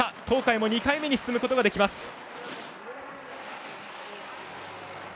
東海も２回目に進むことができます。